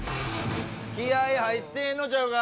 気合入ってへんのちゃうか？